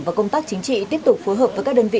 và công tác chính trị tiếp tục phối hợp với các đơn vị